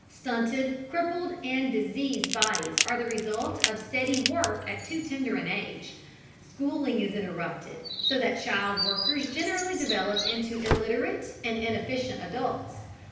Stunted, crippled, and diseased bodies are the result of steady work at too tender an age. Schooling is interrupted, so that child workers generally develop into illiterate and inefficient adults.